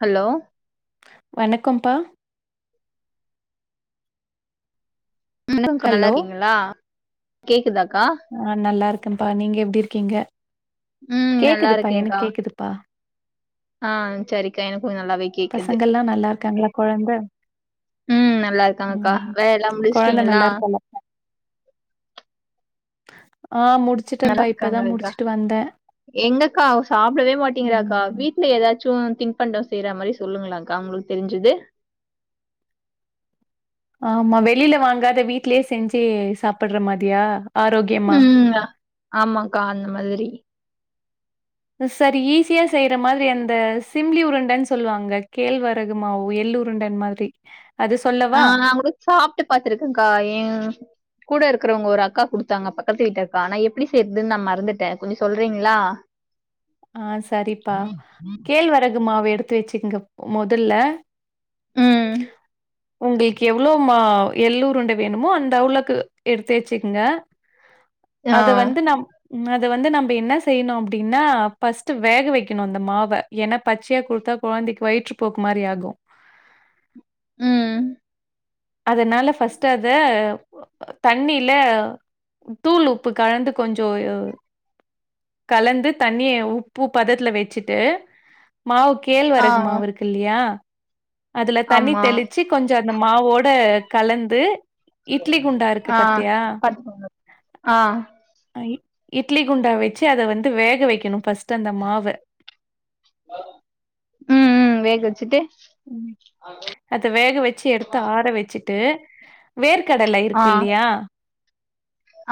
Hello வணக்கம்பா சொல்லுங்கா நல்லா ஹலோ இருக்கீங்களா கேக்குதாக்கா ஆ நல்லா இருக்கப்பா நீங்க எப்டி இருக்கீங்க ம் நல்லா கேக்குதுப்பா இருக்கேன்க்கா எனக்கு கேக்குதுப்பா ஆ சரிக்கா எனக்கு நல்லாவே கேக்குது பசங்கல்லா நல்லா இருக்காங்களா கொழந்த ம் நல்லா இருக்காங்கக்கா ம் வேல எல்லா கொழந்த முடிச்சுட்டீங்களா நல்லா இருக்காளா? ஆ முடி நல்லா இருக்காங்களக்கா எங்கக்கா அவ சாப்டவே மாட்டிங்குறாக்கா ம் வீட் டுல ஏதாச்சு திங்க் பண்ட செய்ற மாரி சொல்லுங்களேங்க்கா உங்களுக்கு தெரிஞ்சது ஆமா வெளில வாங்காத வீட்லயே செஞ்சு சாப்புடுற மாதியா ஆரோக்கியமா ம் ஆமாக்கா அந்த மாதிரி சரி ஈஸியா செய்ற மாரி அந்த சிம்ளி உருண்டன்னு சொல்லுவாங்க கேழ்வரகு மாவு எள்ளுருண்டன்னு மா ரி ஆ நா கூட சாப்ட்டு பாத்திருக்கேக்கா ஏ கூட இருக்கறவங்க ஒரு அக்கா குடுத்தாங்க பக்கத்து வீட்டு அக்கா ஆனா எபபடி செய்றதுன் நா மறந்துட்டே கொஞ்சொ சொல்றீங்களா ஆ சரிப்பா கேழ்வரகு மாவு எடுத்து வெச்சுக்கங்க மொதல்ல ம் உங்களுக்கு எவ்ளோ மா எல்லுருண்ட வேணுமோ அந்த அவ்ளோக்கு எடுத்து வெச்சுக்கங்க ஆ அத வந்து நம் ம் அது வந்து நம்ப என்ன செய்யணு அப்டின்னா பஸ்ட் வேக வைக்கணு அந்த மாவ ஏன்னா பச்சையா குடுத்தா கொழந்தைக்கு வயிற்று போக்கு மாரி ஆகு ம் அதுனால ஃபர்ஸ்ட் அத ஒ தண்ணில தூள் உப்பு கலந்து கொஞ்சோ யோ கலந்து தண்ணிய உப்பு பதத்துல வெச்சிட்டு மாவு கேழ்வரகு ஆ மாவு இருக்கு இல்லியா அதுல தண்ணி ஆமா தெளிச்சு கொஞ்ச அந்த மாவோட கலந்து இட்லி குண்டா இருக்கு ஆ பாத்தியா பாத்துக்கோங்க ஆ அ இ இட்லி குண்டா வெச்சு அத வந்து வேக வைக்கணு ஃபர்ஸ்ட் அந்த மாவ ம் ம் வேக வெச்சுட்டு ம் அத வேக வெச்சு எடுத்து ஆற வெச்சுட்டு வேர்க்கடல ஆ இருக்கு இல்லையா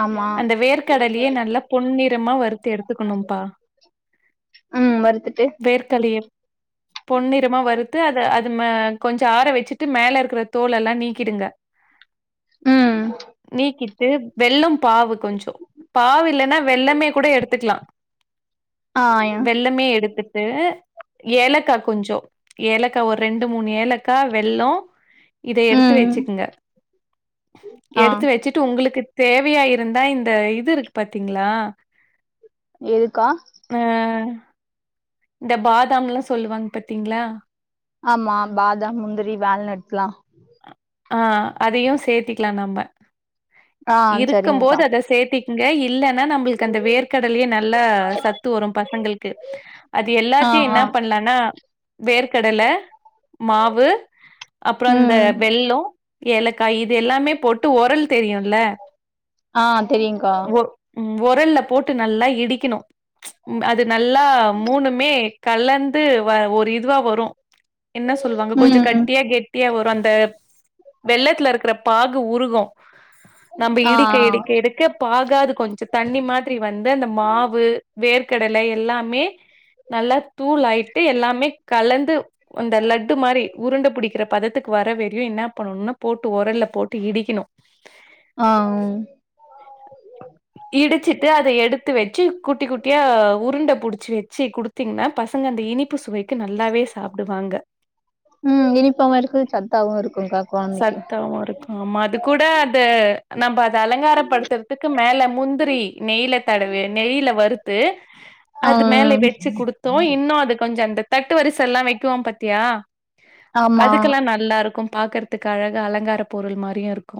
ஆமா அந்த வேர்க்கடலையே நல்லா பொன்னிறமா வருத்து எடுத்துக்கனு பா ம் வறுத்துட்டு வேற் கலிய பொன் நிறமா வரு த்து அத அது மா கொஞ்ச ஆற வெச்சிட்டு மேல இருக்கற தோல் எல்லா நீக்கிடுங்க ம் நீக்கி ட்டு வெல்லொ பாவு கொஞ்ச பாவு இல்லன்னா வெல்லமே கூட எடுத்துக்லா ஆ வெல்லமே எடுத்துட்டு ஏலக்கா கொஞ்சொ ஏலக்கா ஒரு ரெண்டு மூணு ஏலக்கா வெல்லோ இத எடுத்து ம் வெச்சுக்கங்க ஆ எடுத்து வெச்சுட்டு உங்களுக்கு தேவையா இருந்தா இந்த இது இருக்கு பாத்தீங்களா எதுக்கா ஆ இந்த பாதாம்லா சொல்லுவாங்க பத்தீங்களா ஆமா பாதாம் முந்திரி வால் நட்ஸ்லா ஆ அதையு சேத்திக்கிலா நம்ப ஆ இருக்கும் சரிங்கக்கா போது அத சேத்திக் குங்க இல்லன்னா நம்பளுக்கு அந்த வேர்க்கடலையே நல்லா சத்து வரு பசங்களுக்கு அது ஆ எல்லாத்தையு ஆ என்னா பண்லான்னா வேர்க்கடல மாவு அப்புறோ அந்த ம் வெல்லம், ஏலக்காய் இது எல்லாமே போட்டு ஒரல் தெரியும்ல ஆ தெரியு கா ஒ ம் ஒரல்ல போட்டு நல்லா இடிக்கணு அது நல்லா மூணுமே கலந்து வ ஒரு இதுவா வரு என்ன சொல்லுவாங்க கொஞ்சோ ம் கட்டியா கெட்டியா வரு அந்த வெள்ளத்துல இருக்கிற பாகு உருகு நம்ம ஆ ஆ இடிக்க இடிக்க இடிக்க பாகாது கொஞ்சோ தண்ணி மாதிரி வந்து அந்த மாவு வேர்க்கடலை எல்லாமே நல்லா தூள் ஆயிட்டு எல்லாமே கலந்து அந்த லட்டு மாரி உருண்ட புடிக்கிற பதத்துக்கு வரவே என்ன பண்ணணுனா போட்டு உரல்ல போட்டு இடிக்கணு ஆ ம் இடிச்சிட்டு அத எடுத்து வச்சு குட்டி குட்டியா உருண்ட புடிச்சு வச்சு குடுத் தீங்கன்னா பசங்க அந்த இனிப்பு சுவைக்கு நல்லாவே சாப்டுவாங்க ம் இனிப்பாவு இருக்கு சத்தாவு இருக்குக்கா சத்தவு இருக் ஆமா அது கூட அது நம்ப அத அலங்காரப்படுத்துறதுக்கு மேல முந்திரி நெய்ல கடவே நெய்ல வறுத்து ஆ அது மேல வெச்சு குடுத்தோ இன்னு அது கொஞ்சோ அந்த தட்டு வரிச எல்லா வைக்குவோ பாத்தியா ஆமா அதுக்கெல்லா நல்லா இருக்கு பாக்குறதுக்கு அழக அலங்கார பொருள் மாரியே இருக்கு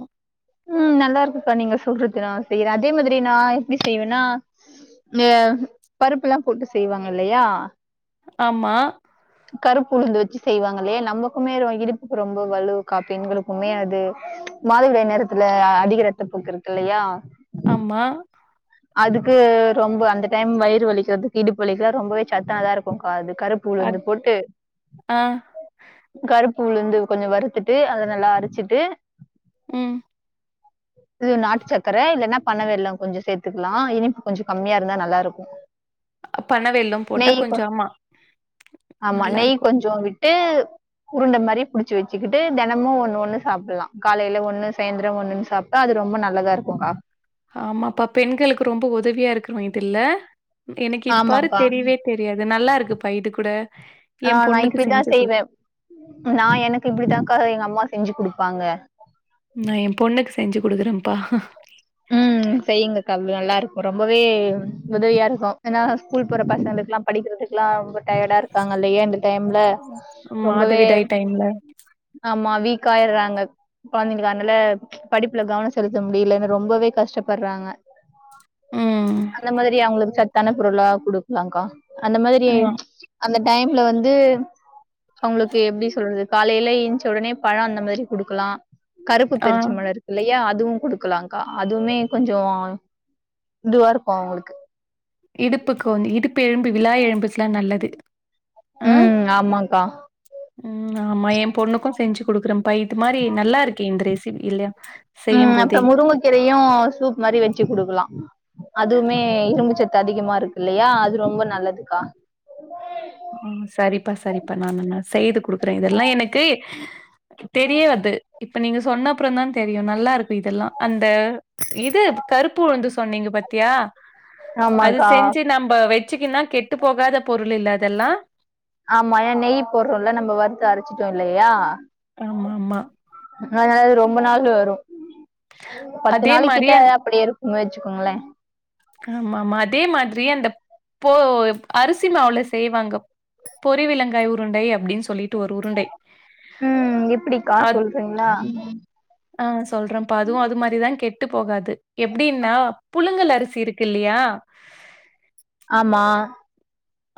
ம் நல்லா இருக்குக்கா நீங்க சொல்றது நா செய்யறே அதே மாரி நா எப்டி செய்வேன்னா இ ஆ பருப்பு எல்லா போட்டு செய்வாங்க இல்லையா ஆமா கருப்பு உளுந்து வச்சு செய்வாங்க இல்லையே நம்மக்குமே அது இடுப்புக்கு ரொம்ப வலுவு கா பெண்களுக்குமே அது மாதவிடாய் நேரத்துல அதிக ரத்தப்போக்கு இருக்கு இல்லையா ஆமா அதுக்கு ரொம்ப அந்த டைம் வயிறு வலிக்கிறதுக்கு இடுப்புவழிக்கிலா ரொம்பவே சத்தானதா இருக்குகா இது கருப் பு உளுந்து அத் போட்டு ஆ கருப்பு உளுந்து கொஞ்சோ வறுத்துட்டு அத நல்லா அரச்சிட்டு ம் இது நாட்டு சக்கர இல்லன்னா பணம் வெல்லோ கொஞ்சோ சேத் த்துக்கலா இனிப்பு கொஞ்சோ கம்மியா இருந்தா நல்லா இருக்கு பனவெல்லம் போட்டா நெய் கொ கொஞ்சோ ஆமா ஆமா நல்லா நெய் இருக்கு கொஞ்சோ விட்டு உருண்ட மாரி புடிச்சு வச்சுகிட்டு தேனமு ஒண்ணு ஒண்ணு சாப்பிடலா காலையில ஒண்ணு சாயந்திரம் ஒண்ணு சாப் டா அது ரொம்ப நல்லதா இருக்குக்கா ஆமாப்பா பெண்களுக்கு ரொம்ப உதவியா இருக்கும் இது இல்ல எனக்கு இது பாரு ஆமாப்பா தெரியவே தெரியாது நல்லா இருக்குப்பா இது கூட எ பொண்ணுக்கு செஞ்சுகுடு நா எனக்கு இப்டித்தாக்கா எங்க அம்மா செஞ்சு குடுப்பாங்க நா எ பொண்ணுக்கு செஞ்சு கொடுக்குறேன்ப்பா செய்யுங்ககா நல்லா இருக்கு ரொம்பவே உதவியா இருக்கு ஏனா ஸ்கூல் போற பசங்களுக்கல்லா படிக்கிறதுக்கல்லா ரொம்ப டயடா இருக்காங்க இல்லையா இந்த டைம்ல ரொம்பவே மாதவிடாய் டைம்ல. ஆமா வீக்கா ஆயுடுறாங்க கொழந்தைங்க அதனால படிப்புல கவனம் செலுத்த முடில ரொம்பவே கஷ்டப்பர்றாங்க ம். அந்த மாதிரி அவுங்களுக்கு சத் தான பொருளா கொடுக்கலாகா அந்த மாதிரி ஆ. அந்த டைம்ல வந்து அவுங்களுக்கு எப்டி சொல்றது காலையில ஏஞ்ச உடனே பழம் அந்த மாதிரி குடுக்கலா கருப்பு ஆ பேருச்சமழொ‌ இருக்குல்லயா அதுவு குடுக்கலா கா அதுவ்மே கொஞ்சோ இதுவா இருக்கு அவுங்களுக்கு இடுப்புக்கு வந்து இடுப்பு எலும்பு விலா எலும்புக்லா நல்லது ஆ ம் ஆமாக்கா ம் ஆமா எ பொண்ணுக்கு செஞ்சு குடுக்குறேம் பா இது மாரி நல்லா இருக்கே இந்த ரெசி இல்யா செய்யும் போதே கீரையு சூப் மாரி வச்சு குடுக்கலா அதுவுமே இரும்பு சத்து அதிகமா இருக்குல்லயா அது ரொம்ப நல்லதுக்கா ம்‌ சரிப்பா சரிப்பா நானுன்ன செய்து குடுக்குறே இதெல்லா எனக்கு தெரியாது இப்ப நீங்க சொன்னப்றொந்தா தெரியு நல்லாருக்கு இதெல்லா அந்த இது கருப்பு உளுந்து சொன்னீங்க பாத்தியா அது ஆமாக்கா செஞ்சு நம்ப வச்சுக்கின்னா கெட்டு போகாத பொருள் இல்ல அதெல்லா ஆமா ஏ நெய் போர்றோல்ல நம்ம வறுத்து அரச்சிட்டோ இல்லயா ஆமாமா அனால அது ரொம்ப நாள் வரு பத்து அதே நாளை மாரி கிட்ட அந் அப்பிடி இருக் குன் வச்சுக்கோங்களே ஆமாமா அதே மாதிரி அந்த போ அரிசி மாவுல செய்வாங்க பொரி விளங்காய் உருண்டை அப்டின் சொல்லி ட்டு ஒரு உருண்டை ம் எப்டிக்கா அத் சொல்றீங்களா ம் ஆ சொல்றம்ப்பா அதுவு அது மாரிதா கெட்டு போகாது எப்டின்னா புழுங்கல் அரி சி இருக்குல்லியா ஆமா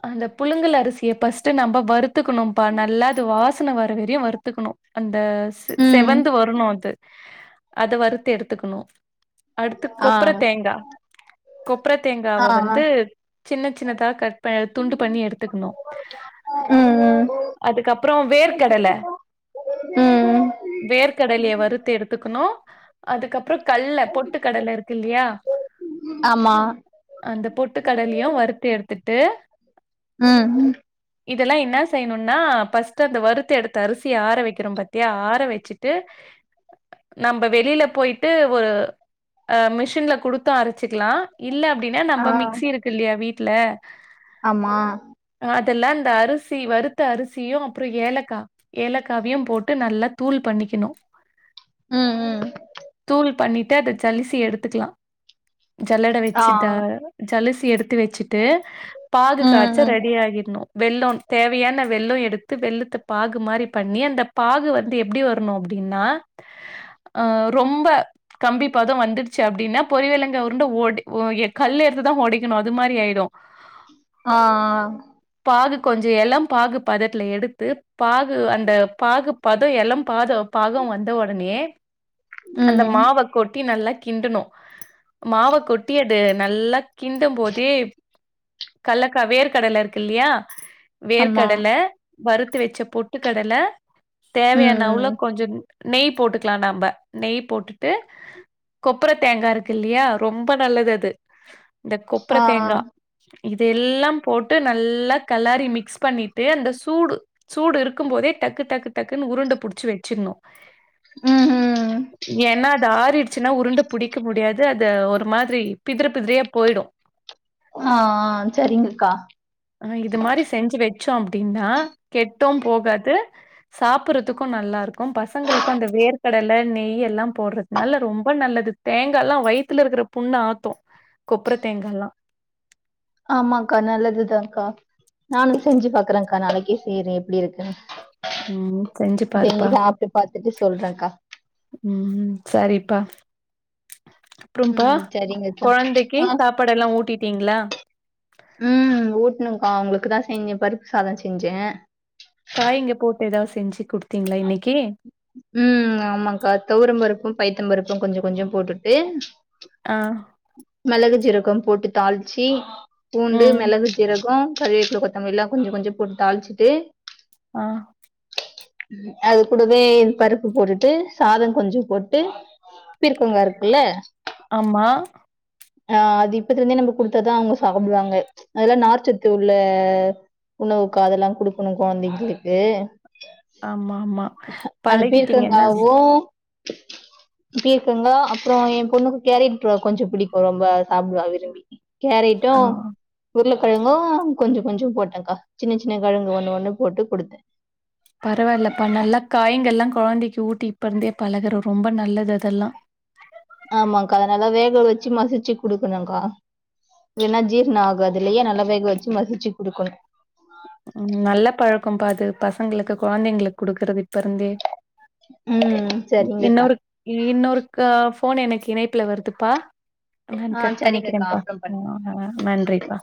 அந்த புழுங்கல் அரிசிய பஸ்ட்டு நம்ப வறுத்துக்கனும்ப்பா நல்லா அது வாசன வர வரியு வறுத்துக்கனு அந்த ம் செவந்து வரனு அது அத வறுத்து எடுத்துக்கனு அடுத்து ஆ கொப்பற தேங்கா கொப்பற ஆ தேங்காவ வந்து சின்ன சின்னதா கட் ப துண்டு பண்ணி எடுத்துக்கனு ம் ம் அதுக்கப்றோ வேர்க்கடல ம் வேர்க்கடலிய வறுத்து எடுத்துக்கனு அதுக்கப்றோ கல்ல பொட்டு கடல இருக்குல்லியா ஆமா அந்த பொட்டு கடலியு வறுத்து எடுத்துட்டு ம் இதெல்லா இன்னா செய்னுன்னா பஸ்ட்டு அந்த வறுத்த எடுத்து அரிசிய ஆற வக்கிறோம் பாத்தியா ஆற வச்சிட்டு நம்ப வெளில போயிட்டு ஒரு அ மிஷின்ல குடுத்து அரச்சிக்லா இல்ல அப்டின்னா ஆ நம்ப மிக்சி இருக்குல்யா வீட்ல ஆமா அதுல இந்த அரிசி வறுத்த அரிசியு அப்றொ ஏலக்கா ஏலக்காவியும் போட்டு நல்லா தூள் பண்ணிக்கனு ம் ம் தூள் பண்ணிட்டு அத ஜலிசி எடுத்துக்லா ஜல்லட ஆ வச்சு த ஜலசி எடுத்து வச்சுட்டு பாகு ம் காச்ச ம் ரெடி ஆகிட்னு வெல்லோ தேவையான வெல்லொ எடுத்து வெல்லத்த பாகு மாரி பண்ணி அந்த பாகு வந்து எப்டி வர்னு அ ப்டின்னா ஆ ரொம்ப கம்பிப்பதொ வந்துடுச்சு அப்டின்னா பொரி வெளங்கா உருண்ட ஒட எ கல் எடுத்துதா ஓடைக்கனு அது மாரி ஆயிடு ஆ ஆ பாகு கொஞ்சொ எலம் பாகு பதத்ல எடுத்து பாகு அந்த பாகு பதோ எளம் பாதோ பதோ வந்த உடனே ம் அந்த ம் மாவ கொட்டி நல்லா கிண்டுணு மாவ கொட்டி அது நல்லா கிண்டம்போதே கல்லக்கா வேர்க்கடல இருக்கு இல்லியா ஆமா வேர்க்கடல வறுத்து வெச்ச பொட்டுக்கடல ம் தேவையான அவளோ ம் கொஞ்சோ நெய் போட்டுக்கலா நம்ப நெய் போட்டுட்டு கொப்பர தேங்கா இருக்கு இல்லியா ரொம்ப நல்லது அது இந்த கொப்பர ஆ தேங்கா இதெல்லா போட்டு நல்லா கலாரி மிக்ஸ் பண்ணிட்டு அந்த சூடு சூடு இருக்கும்போதே டக்கு டக்கு டக்குன்னு உருண்ட புடிச்சு வச்சிருணு ம் ம் என்ன அது ஆறிடு ச்சின்னா உருண்ட புடிக்க முடியாது அத ஒரு மாரி பிதர பிதிரியா போயிடு ஆ ஆ சரிங்கக்கா ஆ இது மாரி செஞ்சு வச்சோ அப்டின்னா கெட்டு போகாது சாப்புறதுக்கு நல்லா இருக்கு பசங்களுக்கு அந்த வேர்க்கடல நெய்யெல்லா போடுறதுனால ரொம்ப நல்லது தேங்கால்லா வயித்ல இருக்ற புண்ண ஆத்து கொப்பர தேங்கால்லா ஆமாக்கா நல்லதுதாக்கா நானு செஞ்சு பாக்றக்கா நாளக்கே செய்றே எப்டி இருக்குனு ம். செஞ்சு செஞ்சி பாருப்பா. சாப்டு பாத்துட்டு சொல்றேக்கா ம் சரிப்பா அப்றம்பா ம் சரிங்கக்கா கொழந்தைக்கி ஆ சாப்பாடெல்லா ஊட்டிட்டீங்களா ம் ஊட்டணுக்கா அவுங்களுக்குதா செஞ்சே பருப்பு சாதோ செஞ்சே காய்ங்க போட்டு ஏதாது செஞ்சு குடுத்தீங்களா இன்னைக்கி ம் ஆமாக்கா தொவரம்பருப்பு பைத்தம்பருப்பு கொஞ்சோ கொஞ்சோ போட்டுட்டு ஆ மெளகு ஜீரகோ போட்டு தாளிச்சு பூண்டு ம். மெளகு ஜீரகோ கறிவேப்பில கொத்தமல்லில்லா கொஞ்சோ கொஞ்சோ போட்டு தாளிச்சிட்டு ஆ அது கூடவே பருப்பு போட்டுட்டு சாதோ கொஞ்சோ போட்டுட்டு பிர்க்கங்கா இருக்குல்ல ஆமா ஆ அது இப்பத்துல இருந்தே நம்ம குடுத்தாதா அவுங்க சாப்புடுவாங்க அதெல்லா நார்ச்சத்து உள்ள உணவுக்கா அதெல்லா குடுக்குணு கொழந்தைங்களுக்கு ஆமாமா. அந்த பழகிட்டீங்க என்ன? பீர்க்கங்காவு பீர்க்கங்கா அப்றோ எம்பொண்ணுக்கு கேரேட்ப்ரோ கொஞ்சோ புடிக்கு ரொம்பௌ சாப்புடுவா விரும்பி கேரேட்டு ஆ. உருளக்கெழங்கு கொஞ்சோ கொஞ்சோ போட்டக்கா சின்ன சின்ன கெழங்கு ஒன்னு ஒன்னு போட்டு குடுத்த பரவால்லப்பா நல்லா காய்ங்கல்லா கொழந்தைக்கி ஊட்டி இப்பருந்தே பழகற ரொம்ப நல்லது அதெல்லா ஆமாக்கா அத நல்லா வேக வச்சி மசிச்சி குடுக்குணுக்கா இல்லனா ஜீர்ணோ ஆகாதில்லியா நல்லா வேகவச்சி மசிச்சி குடுக்குணு ம் நல்ல பழக்கம்பா அது பசங்களுக்கு கொழந்தைகளுக்கு குடுக்கறது இப்பருந்தே ம் சரிங்கக்கா இன்னொரு இன்னொரு கா போனு எனக்கு இணைப்புல வருதுப்பா நா ஆ கட் சரிங்கக்கா பண்ணிக்கிறேப்பா அப்புறம் பண்றேன் ந நா நன்றிப்பா